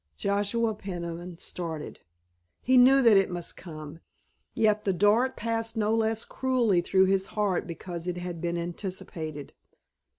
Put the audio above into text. Joshua Peniman started. He knew that it must come, yet the dart passed no less cruelly through his heart because it had been anticipated.